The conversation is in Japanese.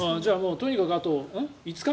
とにかくあと５日？